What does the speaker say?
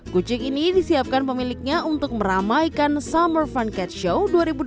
kucing ini disiapkan pemiliknya untuk meramaikan summer fun cat show dua ribu dua puluh